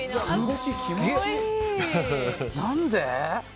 何で？